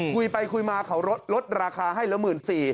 คุยไปคุยมาเขาลดราคาให้ละ๑๔๐๐บาท